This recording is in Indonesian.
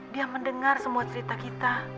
dia mendengar semua cerita kita